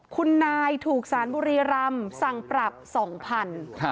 คุณนายถูกสารบุรีรำสั่งปรับ๒๐๐บาท